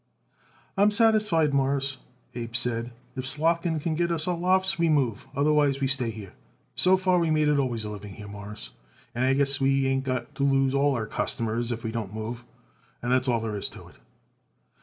"I'm satisfied, Mawruss," Abe said. "If Slotkin can get us lofts we move, otherwise we stay here. So far we made it always a living here, Mawruss, and I guess we ain't going to lose all our customers even if we don't move; and that's all there is to it."